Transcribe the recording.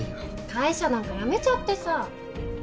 会社なんか辞めちゃってさ。